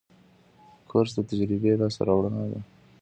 کورس د تجربې لاسته راوړنه ده.